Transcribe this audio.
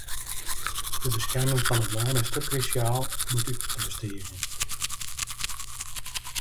De beskerming fan it lân is te krúsjaal om út te besteegjen.